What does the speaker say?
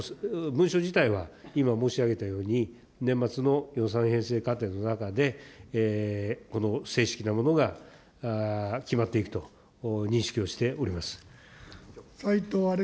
この文書自体は、今申し上げたように、年末の予算編成過程の中で、この正式なものが決まっていくと認識をしております。